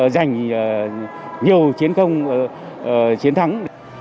giành nhiều chiến công chiến thắng